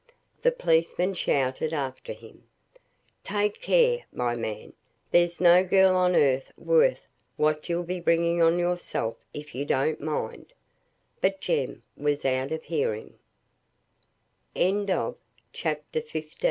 The policeman shouted after him, "Take care, my man! there's no girl on earth worth what you'll be bringing on yourself if you don't mind." But Jem was out of hearing. CHAPTER XVI. MEETING BETWEEN MASTERS AND WORKMEN.